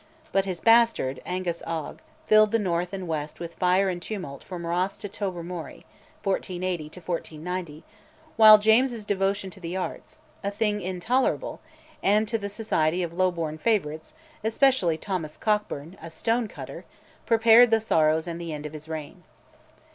But his bastard, Angus Og, filled the north and west with fire and tumult from Ross to Tobermory (1480 1490), while James's devotion to the arts a thing intolerable and to the society of low born favourites, especially Thomas Cockburn, "a stone cutter," prepared the sorrows and the end of his reign.